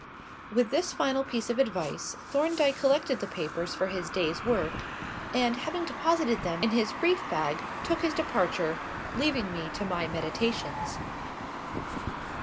With this final piece of advice, Thorndyke collected the papers for his day's work, and, having deposited them in his brief bag, took his departure, leaving me to my meditations.